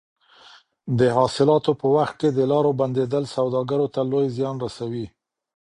د حاصلاتو په وخت کې د لارو بندېدل سوداګرو ته لوی زیان رسوي.